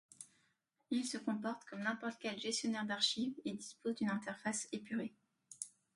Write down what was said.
Il se comporte comme n'importe quel gestionnaire d'archives et dispose d'une interface épurée.